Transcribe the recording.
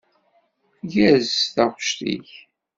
Tgerrez taɣect-ik.